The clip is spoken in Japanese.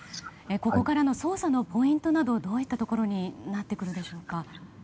ここからの捜査のポイントなどはどういったところになってくるでしょうか？